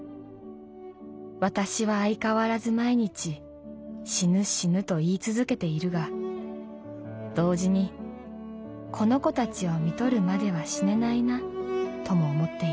私は相変わらず毎日『死ぬ死ぬ』と言い続けているが同時にこの子たちを看取るまでは死ねないなとも思っている」。